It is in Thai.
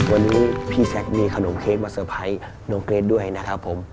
วันนี้พี่แซคมีขนมเค้กมาเตอร์ไพรส์น้องเกรทด้วยนะครับผม